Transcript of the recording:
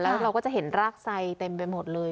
แล้วเราก็จะเห็นรากไซเต็มไปหมดเลย